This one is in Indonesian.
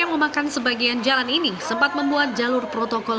yang memakan sebagian jalan ini sempat membuat jalur protokol